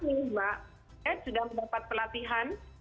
sudah mendapat pelatihan